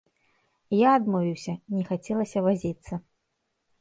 Я адмовіўся, не хацелася вазіцца.